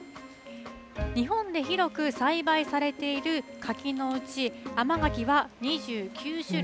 日本で広く栽培されている柿のうち甘柿は２９種類。